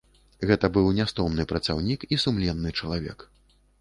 Гэта быў нястомны працаўнік і сумленны чалавек.